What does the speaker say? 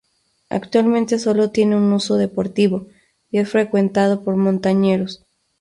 Actualmente sólo tiene un uso deportivo, y es frecuentado por montañeros.